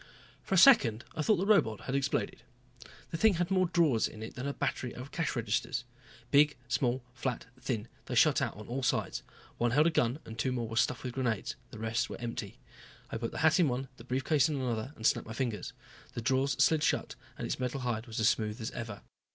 For a second I thought the robot had exploded. The thing had more drawers in it than a battery of cash registers. Big, small, flat, thin, they shot out on all sides. One held a gun and two more were stuffed with grenades; the rest were empty. I put the hat in one, the brief case in another and snapped my fingers. The drawers slid shut and its metal hide was as smooth as ever.